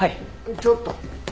ちょっと。